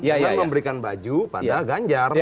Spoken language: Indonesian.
memberikan baju pada ganjar